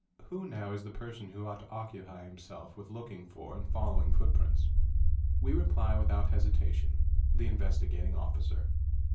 _ Who now is the person who ought to occupy himself with looking for ind re footprints ? We reply without hesitation: the Investigat g Officer.